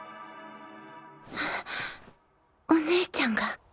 ハッお姉ちゃんが！？